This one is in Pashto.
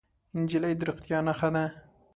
نجلۍ د رښتیا نښه ده.